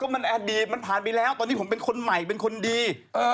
มันอดีตมันผ่านไปแล้วตอนนี้ผมเป็นคนใหม่เป็นคนดี